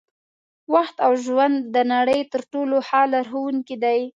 وخت او ژوند د نړۍ تر ټولو ښه لارښوونکي دي.